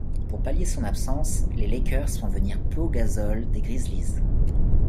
Pour pallier son absence, les Lakers font venir Pau Gasol des Grizzlies.